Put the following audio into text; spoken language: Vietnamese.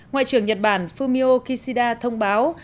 ngoại trưởng nhật bản fumio kishida thông báo